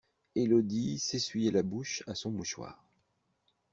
Élodie s'essuyait la bouche à son mouchoir.